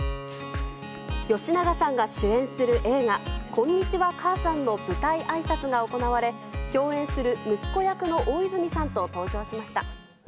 吉永さんが主演する映画、こんにちは、母さんの舞台あいさつが行われ、共演する息子役の大泉さんと登場しました。